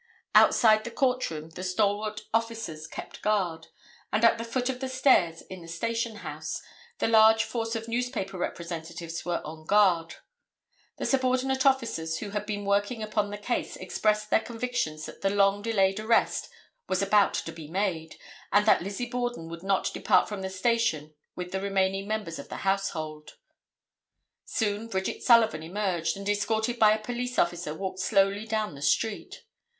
Outside the court room the stalwart officers kept guard, and at the foot of the stairs in the station house the large force of newspaper representatives were on guard. The subordinate officers who had been working upon the case expressed their convictions that the long delayed arrest was about to be made, and that Lizzie Borden would not depart from the station with the remaining members of the household. Soon Bridget Sullivan emerged, and escorted by a police officer walked slowly down the street.